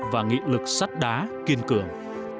và nghị lực sắt đá kiên cường